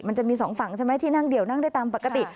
มันจะมีสองฝั่งใช่ไหมที่นั่งเดี่ยวนั่งได้ตามปกติ